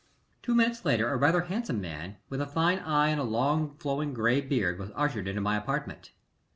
Two minutes later a rather handsome man, with a fine eye and a long, flowing gray beard, was ushered into my apartment.